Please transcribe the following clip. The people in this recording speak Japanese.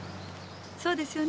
そうですよね？